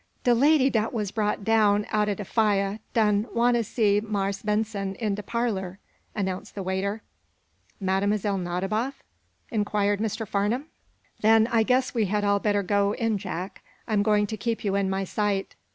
"De lady dat was brought down outah de fiah done wanter see Marse Benson in de parlor," announced the waiter. "Mlle. Nadiboff?" inquired Mr. Farnum. "Then I guess we had all better go in Jack, I'm going to keep you in my sight."